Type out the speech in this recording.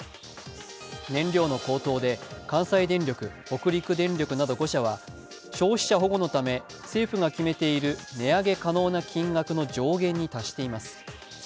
燃料の高騰で関西電力、北陸電力など５社は消費者保護のため、政府が決めている値上げ可能な金額の上限に達しています。